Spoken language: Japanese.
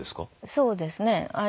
そうですね。